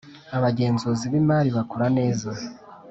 Abagenzuzi b’ imari bakora neza.